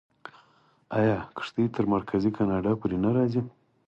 آیا کښتۍ تر مرکزي کاناډا پورې نه راځي؟